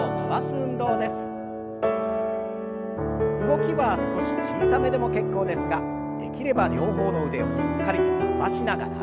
動きは少し小さめでも結構ですができれば両方の腕をしっかりと伸ばしながら。